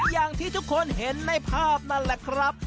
อย่างที่ทุกคนเห็นในภาพนั่นแหละครับ